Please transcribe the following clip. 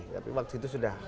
tapi waktu itu sudah